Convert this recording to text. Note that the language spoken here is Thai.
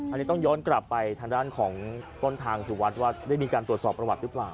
อันนี้ต้องย้อนกลับไปทางด้านของต้นทางถูกวัดว่าได้มีการตรวจสอบประวัติหรือเปล่า